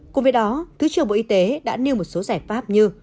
cùng với đó thứ trưởng bộ y tế đã nêu một số giải pháp như